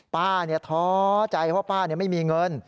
ป้าท้อใจว่าป้าไม่มีเงิน